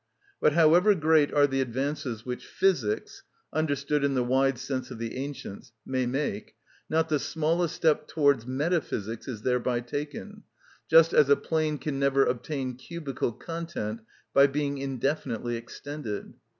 But however great are the advances which physics (understood in the wide sense of the ancients) may make, not the smallest step towards metaphysics is thereby taken, just as a plane can never obtain cubical content by being indefinitely extended.